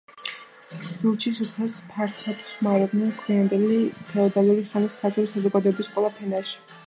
ლურჯი სუფრას ფართოდ ხმარობდნენ გვიანდელი ფეოდალური ხანის ქართული საზოგადოების ყველა ფენაში.